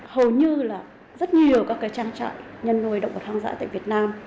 hầu như là rất nhiều các trang trại nhân nuôi động vật hoang dã tại việt nam